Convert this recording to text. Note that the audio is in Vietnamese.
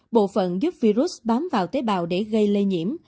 bộ phận giúp virus bám vào tế bào để gây lây nhiễm